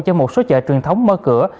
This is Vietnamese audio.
cho một số chợ truyền thống mơ cửa